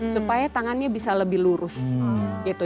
supaya tangannya bisa lebih lurus gitu